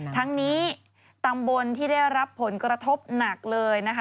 ทั้งนี้ตำบลที่ได้รับผลกระทบหนักเลยนะคะ